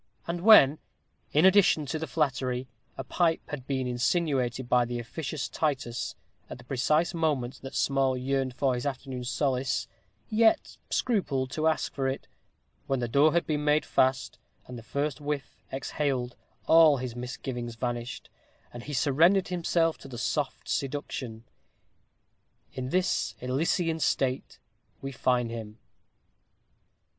And when, in addition to the flattery, a pipe had been insinuated by the officious Titus, at the precise moment that Small yearned for his afternoon's solace, yet scrupled to ask for it; when the door had been made fast, and the first whiff exhaled, all his misgivings vanished, and he surrendered himself to the soft seduction. In this Elysian state we find him.